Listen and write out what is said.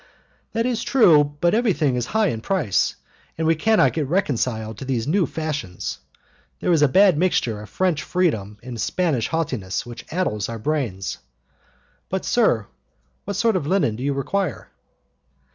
"That is true, but everything is high in price, and we cannot get reconciled to these new fashions. They are a bad mixture of French freedom and Spanish haughtiness which addles our brains. But, sir, what sort of linen do you require?"